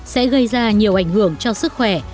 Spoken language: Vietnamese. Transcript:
sẽ gây ra nhiều ảnh hưởng cho sức khỏe